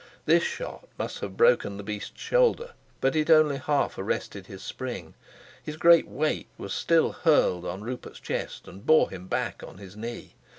This shot must have broken the beast's shoulder, but it only half arrested his spring. His great weight was still hurled on Rupert's chest, and bore him back on his knee.